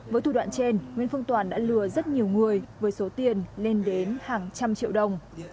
với thủ đoạn trên nguyễn phương toàn đã lừa rất nhiều người với số tiền lên đến hàng trăm triệu đồng